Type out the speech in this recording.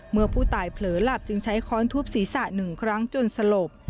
เมื่อผู้ตายเผลอหลับจึงใช้ค้อนทุบศีรษะ๑ครั้งจนสลบ